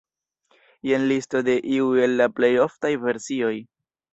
Jen listo de iuj el la plej oftaj versioj.